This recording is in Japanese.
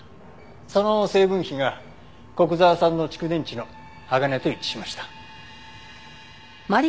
その成分比が古久沢さんの蓄電池の鋼と一致しました。